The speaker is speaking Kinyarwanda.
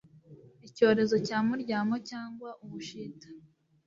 icyorezo cya muryamo cyangwa ubushita